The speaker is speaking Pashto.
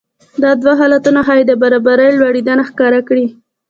دا ډول حالتونه ښايي د برابرۍ لوړېدنه ښکاره کړي